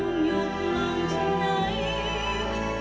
หยุดลงที่ไหน